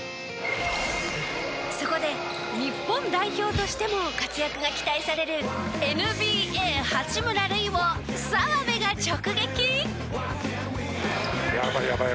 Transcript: そこで日本代表としても活躍が期待されるＮＢＡ八村塁を澤部が直撃！